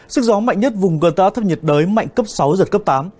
sức gió mạnh nhất vùng gần tới át thấp nhiệt đới mạnh cấp sáu giật cấp tám